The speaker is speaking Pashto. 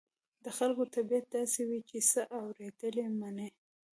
د خلکو طبيعت داسې وي چې څه واورېدل مني.